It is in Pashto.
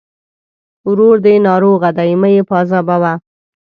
ورور دې ناروغه دی! مه يې پاذابوه.